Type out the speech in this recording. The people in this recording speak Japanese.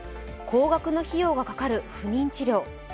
高額の費用がかかる不妊治療。